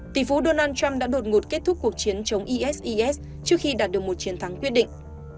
tỷ phú donald trump đã đột ngột kết thúc cuộc chiến chống isis trước khi đạt được một chiến thắng quyết định